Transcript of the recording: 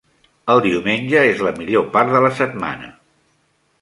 El diumenge és la millor part de la setmana.